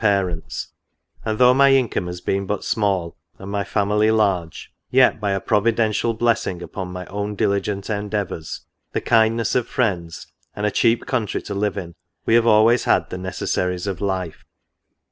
5$ parents ; and though my income has been but small, and my family large, yet, by a providential blessing upon my own diligent endeavours, the kindness of friends, and a cheap country to live in, we have always had the necessaries of life.